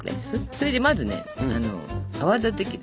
それでまずね泡立て器で。